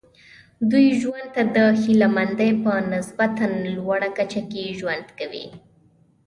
دوی ژوند ته د هیله مندۍ په نسبتا لوړه کچه کې ژوند کوي.